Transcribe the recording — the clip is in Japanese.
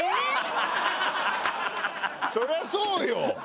そりゃそうよ！